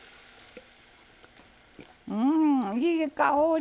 うんいい香り！